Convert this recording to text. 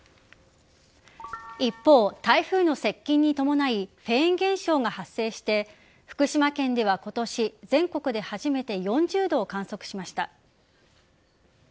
一方、台風の接近に伴いフェーン現象が発生して福島県では今年、全国で初めて４０度を観測しました。